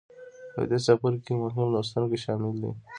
په دې څپرکې کې مهم لوستونه شامل دي.